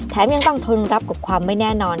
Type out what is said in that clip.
ยังต้องทนรับกับความไม่แน่นอน